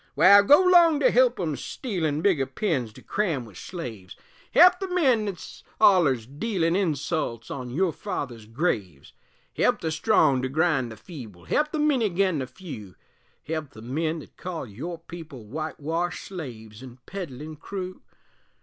Wal, go 'long to help 'em stealin' Bigger pens to cram with slaves, Help the men thet's ollers dealin' Insults on your fathers' graves; Help the strong to grind the feeble, Help the many agin the few, Help the men that call your people Witewashed slaves an' peddlin' crew?